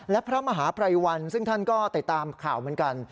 และพระมหาภัยวันซึ่งท่านก็ติดตามข่าวเหมือนกัน